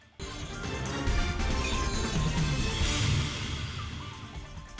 terima kasih pak dedy